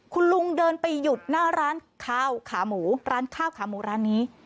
คุณลุงเดินไปหยุดหน้าร้านข้าวขาหมูร้านข้าวขาหมูร้านนี้